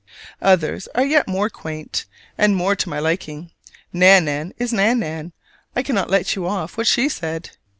Others are yet more quaint, and more to my liking. Nan nan is Nan nan: I cannot let you off what she said!